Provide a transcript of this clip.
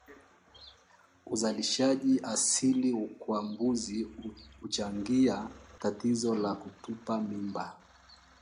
Uzalishaji asili kwa mbuzi huchangia tatizo la kutupa mimba